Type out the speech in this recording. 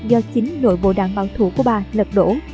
do chính nội bộ đảng bảo thủ của bà lật đổ